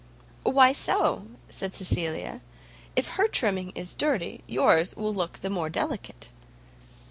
"Why so?" said Cecilia. "If her trimming is dirty, yours will look the more delicate."